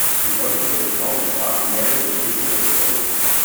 Und heute droht den "Frauen in Schwarz" in Serbien die Schließung ihres Büros.